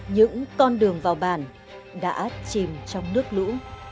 những con đường vào bản đã chìm trong nước lũ